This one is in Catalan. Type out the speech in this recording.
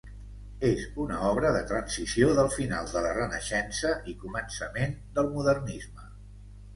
És una obra de transició del final de la renaixença i començament del modernisme.